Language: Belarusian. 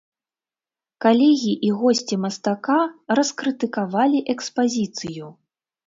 Калегі і госці мастака раскрытыкавалі экспазіцыю.